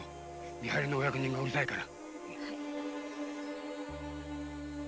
見張りのお役人がうるさいから。